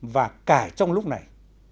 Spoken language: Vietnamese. và cả trong lúc này